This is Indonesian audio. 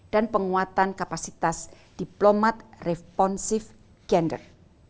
dan penguatan kapasitas diplomat responsive gender